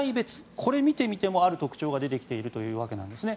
これを見てみてもある特徴が出てきているというわけなんですね。